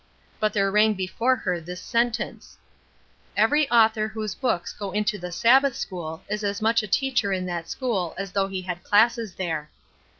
But there rang before her this sentence: "Every author whose books go into the Sabbath school is as much a teacher in that school as though he had classes there."